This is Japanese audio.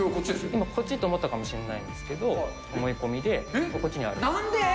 今、こっちと思ったかもしれないですけど、思い込みで、こっちにあるんです。